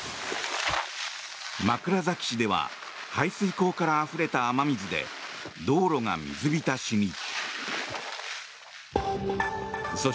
枕崎市では排水溝からあふれた雨水で道路が水浸しに。